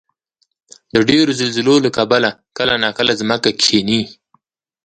د ډېرو زلزلو له کبله کله ناکله ځمکه کښېني.